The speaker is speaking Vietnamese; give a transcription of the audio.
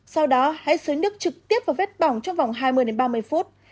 sau đó hãy xới nước trực tiếp vào vết bỏng trong vòng hai mươi ba mươi phút